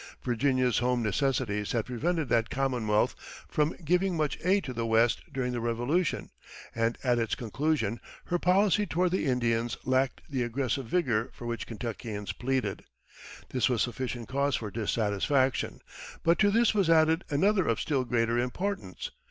Virginia's home necessities had prevented that commonwealth from giving much aid to the West during the Revolution, and at its conclusion her policy toward the Indians lacked the aggressive vigor for which Kentuckians pleaded. This was sufficient cause for dissatisfaction; but to this was added another of still greater importance.